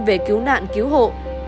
về cứu nạn cứu hộ